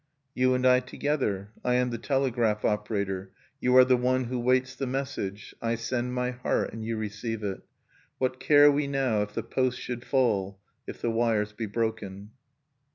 "You and I together.... I am the telegraph operator; you are the one who waits the message. I send my heart, and you receive it. What care we now if the posts should fall, if the wires be broken?"